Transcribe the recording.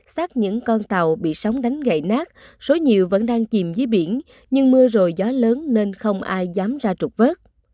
xác những con tàu bị sóng đánh gậy nát số nhiều vẫn đang chìm dưới biển nhưng mưa rồi gió lớn nên không ai dám ra trục vớt